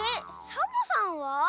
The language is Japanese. サボさんは？